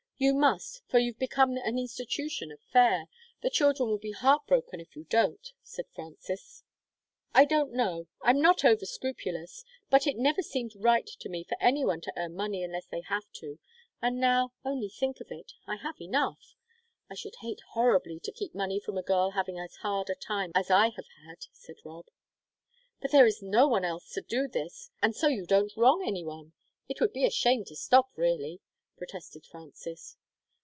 You must, for you've become an institution of Fayre. The children will be heart broken if you don't," said Frances. "I don't know; I'm not over scrupulous, but it never seemed right to me for anyone to earn money unless they have to, and now only think of it I have enough! I should hate horribly to keep money from a girl having as hard a time as I have had," said Rob. "But there is no one else to do this, and so you don't wrong anyone. It would be a shame to stop, really," protested Frances.